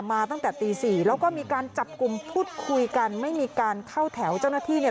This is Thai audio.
มาตั้งแต่ตีสี่แล้วก็มีการจับกลุ่มพูดคุยกันไม่มีการเข้าแถวเจ้าหน้าที่เนี่ย